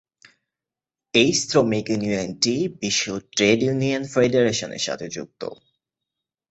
এই শ্রমিক ইউনিয়নটি বিশ্ব ট্রেড ইউনিয়ন ফেডারেশন-এর সাথে যুক্ত।